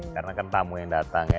karena kan tamu yang datang ya